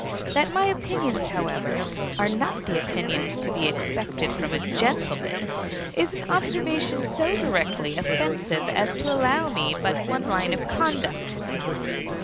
That my opinions, however, are not the opinions to be expected from a gentleman, is an observation so directly offensive as to allow me but one line of conduct.